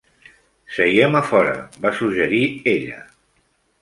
"Seiem a fora", va suggerir ella.